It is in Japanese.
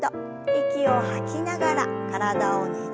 息を吐きながら体をねじって。